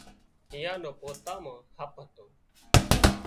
ايئان نو پوتان مان هپ هتو